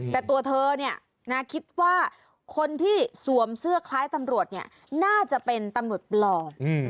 แต่ตัวเธอเนี่ยนะคิดว่าคนที่สวมเสื้อคล้ายตำรวจเนี่ยน่าจะเป็นตำรวจปลอม